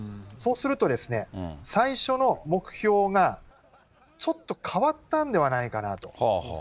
そうすると、最初の目標がちょっと変わったんではないかなと。